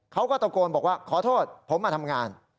เขาก็ตะโกนบอกว่าขอโทษผมมาทำงาน